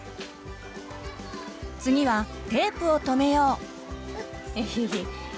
次はテープを留めよう！